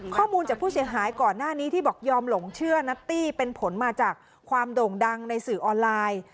ข้อมูลจากผู้เสียหายก่อนหน้านี้ที่บอกยอมหลงเชื่อนัตตี้เป็นผลมาจากความโด่งดังในสื่อออนไลน์